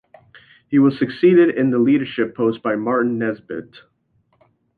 He was succeeded in the leadership post by Martin Nesbitt.